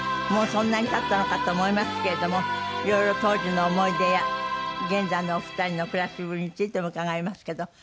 もうそんなに経ったのかと思いますけれども色々当時の思い出や現在のお二人の暮らしぶりについても伺いますけど。